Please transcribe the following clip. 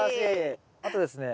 あとですね